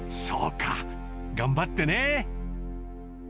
そうか、頑張ってね。